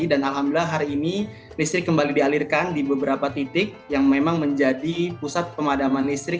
dan alhamdulillah hari ini listrik kembali dialirkan di beberapa titik yang memang menjadi pusat pemadaman listrik